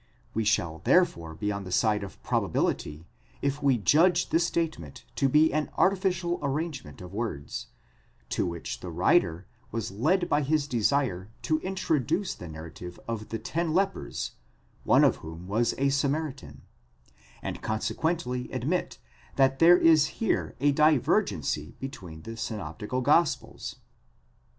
We shall therefore be on the side of probability, if we judge this statement to be an artificial arrangement of words, to which the writer was led by his desire to introduce the narrative of the ten lepers, one of whom was a Samaritan;5 and consequently admit that there is here a divergency between the synoptical gospels.